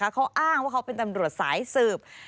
เขาอ้างว่าเขาเป็นตำรวจสายสืบ